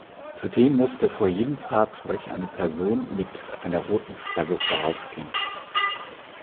Zudem musste vor jedem Fahrzeug eine Person mit einer roten Flagge vorausgehen.